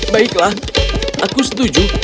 baiklah aku setuju